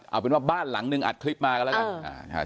เอาเป็นว่าบ้านหลังนึงอัดคลิปมากันแล้วกัน